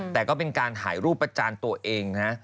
แต่ก็เป็นการถ่ายรูปประจานตัวเองนะ